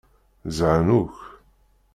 Zhan akk.